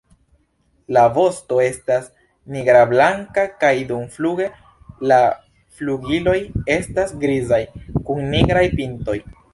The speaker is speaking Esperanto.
La vosto estas nigrablanka kaj dumfluge la flugiloj estas grizaj kun nigraj pintoj.